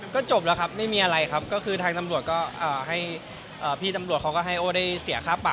ก็จบแล้วครับไม่มีอะไรครับก็คือทางตำรวจก็ให้พี่ตำรวจเขาก็ให้โอ้ได้เสียค่าปรับ